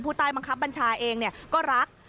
ผู้ใต้บังคับบัญชาเองเนี่ยก็รัก